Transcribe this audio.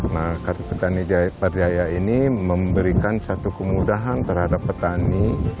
nah kartu petani jaya berjaya ini memberikan satu kemudahan terhadap petani